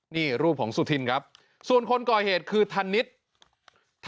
นี่รูปของสุธินครับส่วนคนก่อเหตุคือธนิษฐ์